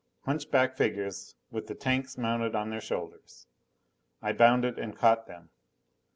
Hunchback figures with the tanks mounted on their shoulders. I bounded and caught them.